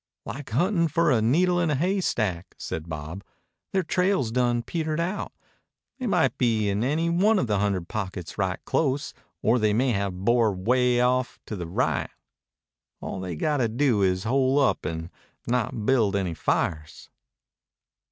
"Like huntin' for a needle in a haystack," said Bob. "Their trail's done petered out. They might be in any one of a hundred pockets right close, or they may have bore 'way off to the right. All they got to do is hole up and not build any fires."